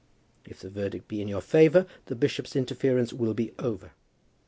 If the verdict be in your favour, the bishop's interference will be over.